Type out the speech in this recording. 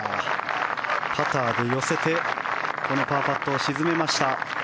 パターで寄せてこのパーパット、沈めました。